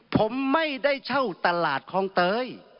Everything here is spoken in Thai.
ผมไม่ได้เช่าตลาดคลองเตย